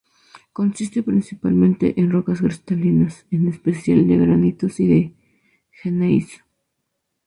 Consiste principalmente en rocas cristalinas, en especial de granitos y de gneis.